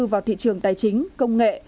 vào thị trường tài chính công nghệ